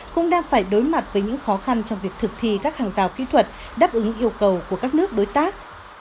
cũng đang phải đối mặt với những khó khăn trong việc thực thi các hàng rào kỹ thuật đáp ứng yêu cầu của các nước đối tác